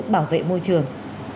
bảo vệ môi trường